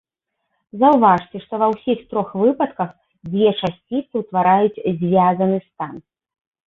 Заўважце, што ва ўсіх трох выпадках дзве часціцы ўтвараюць звязаны стан.